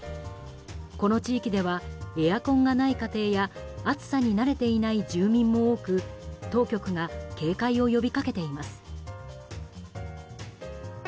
この地域ではエアコンがない家庭や暑さに慣れていない住民も多く当局が警戒を呼びかけています。